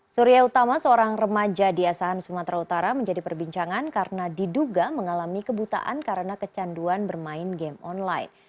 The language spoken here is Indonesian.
surya utama seorang remaja di asahan sumatera utara menjadi perbincangan karena diduga mengalami kebutaan karena kecanduan bermain game online